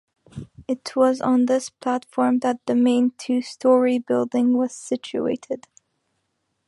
It was on this platform that the main two-storey building was situated.